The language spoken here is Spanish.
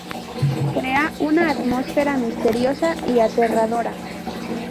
Crea una atmósfera misteriosa y aterradora.